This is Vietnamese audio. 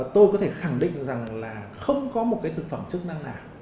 tôi có thể khẳng định rằng là không có một cái thực phẩm chức năng nào